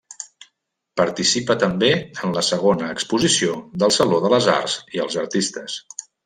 Participa també en la segona exposició del Saló de Les Arts i els Artistes.